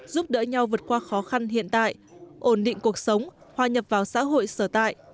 giúp đỡ nhau vượt qua khó khăn hiện tại ổn định cuộc sống hòa nhập vào xã hội sở tại